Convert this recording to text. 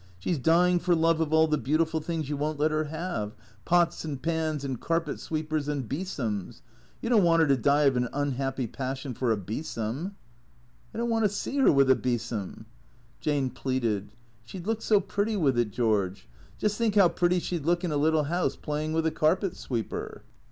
She 's dying for love of all the beautiful things you won't let her have — THECREATOES 199 pots and pans and carpet sweepers and besoms. You don't want her to die of an unhappy passion for a besom ?"" I don't want to see her with a besom." Jane pleaded. "She'd look so pretty with it, George. Just think how pretty she 'd look in a little house, playing with a carpet sweeper."